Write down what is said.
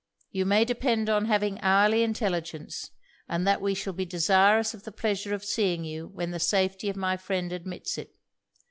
You may depend on having hourly intelligence, and that we shall be desirous of the pleasure of seeing you when the safety of my friend admits it.